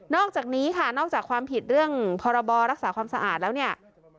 อกจากนี้ค่ะนอกจากความผิดเรื่องพรบรักษาความสะอาดแล้วเนี่ย